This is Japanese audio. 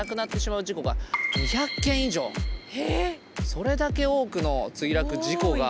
それだけ多くの墜落事故がある。